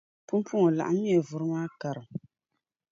Pumpɔŋɔ laɣimmiya vuri maa karim.